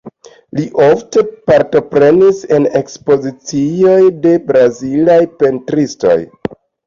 Li ofte partoprenis en ekspozicioj de brazilaj pentristoj.